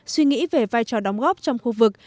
suy nghĩ về vai trò đóng góp trong khu vực